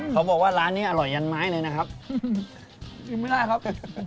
เขาบอกว่าร้านนี้อร่อยยันไม้เลยนะครับชิมไม่ได้ครับ